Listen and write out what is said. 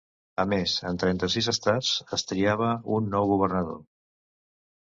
A més, en trenta-sis estats es triava un nou governador.